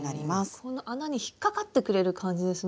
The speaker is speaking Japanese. この穴に引っ掛かってくれる感じですね